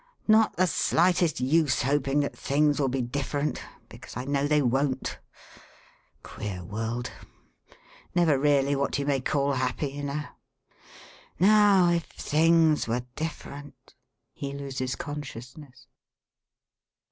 Not the slightest use hoping that things will be different, because I know they won't. Queer world! Never really what you may call happy, you know. Now, if things were different ...' He loses consciousness.